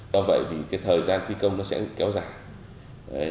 do vậy thì thời gian thi công sẽ kéo dài